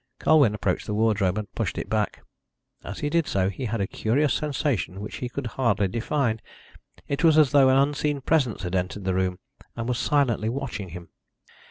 Colwyn approached the wardrobe and pushed it back. As he did so, he had a curious sensation which he could hardly define. It was as though an unseen presence had entered the room, and was silently watching him.